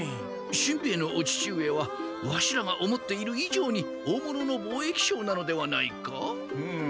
しんべヱのお父上はワシらが思っているいじょうに大物の貿易商なのではないか？